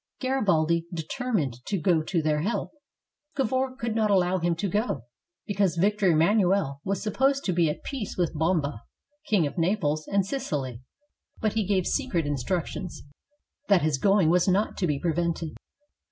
Garibaldi determined to go to their help. Cavour could not allow him to go, because Victor Emmanuel was supposed to be at peace with Bomba, King of Naples and Sicily; but he gave secret instruc tions that his going was not to be prevented.